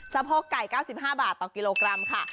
โพกไก่๙๕บาทต่อกิโลกรัมค่ะ